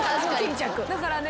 だからね